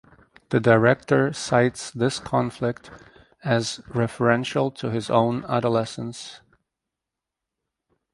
The director cites this conflict as referential to his own adolescence.